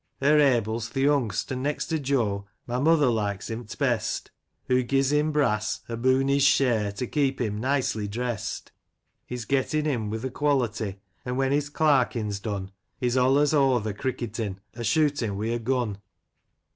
Er Abel's th' yung'st ; an' — ^next to Joe — My mother likes him t' best ; Hoo gi's him brass, aboon his share, To keep him nicely drest ;— He's gettin* in \d* th' quality, — An' when his clarkin's done, He's olez oather cricketin*, Or shootin' wi' a gun.